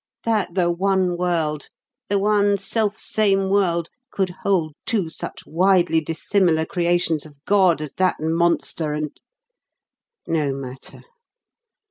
That the one world, the one self same world, could hold two such widely dissimilar creations of God as that monster and ... No matter.